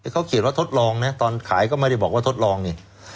เขาเขียนว่าทดลองนะตอนขายก็ไม่ได้บอกว่าทดลองนี่